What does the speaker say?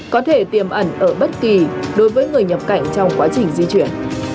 có thể tiềm ẩn ở bất kỳ đối với người nhập cảnh trong quá trình di chuyển